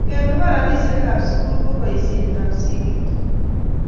Keluban robishe ab sukul ko boisie ab sikiik tugul.